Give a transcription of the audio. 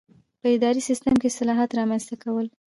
په اداري سیسټم کې اصلاحات رامنځته کول.